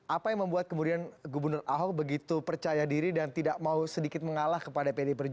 apa yang membuat kemudian gubernur ahok begitu percaya diri dan tidak mau sedikit mengalah kepada pdi perjuangan